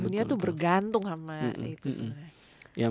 dunia tuh bergantung sama itu sebenarnya